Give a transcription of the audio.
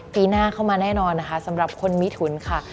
ปีหน้าเข้ามาแน่นอนนะคะสำหรับคนมิถุนค่ะ